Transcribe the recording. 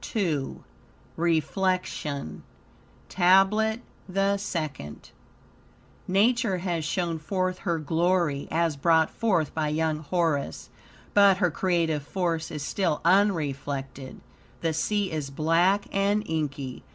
II REFLECTION TABLET THE SECOND Nature has shown forth her glory, as brought forth by young Horus, but her creative force is still unreflected. The sea is black and inky.